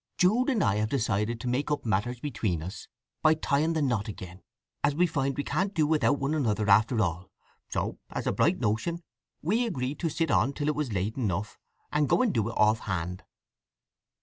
"Jude and I have decided to make up matters between us by tying the knot again, as we find we can't do without one another after all. So, as a bright notion, we agreed to sit on till it was late enough, and go and do it off hand."